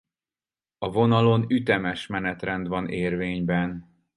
A vonalon ütemes menetrend van érvényben.